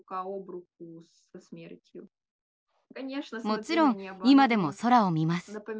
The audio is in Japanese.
もちろん今でも空を見ます。